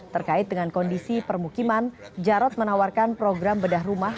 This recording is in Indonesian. terkait dengan kondisi permukiman jarod menawarkan program bedah rumah